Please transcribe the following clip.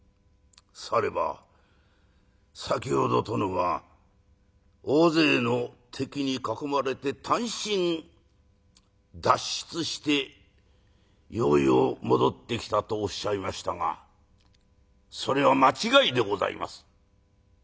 「されば先ほど殿は大勢の敵に囲まれて単身脱出してようよう戻ってきたとおっしゃいましたがそれは間違いでございます」。